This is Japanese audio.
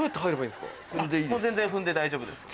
「全然踏んで大丈夫です」？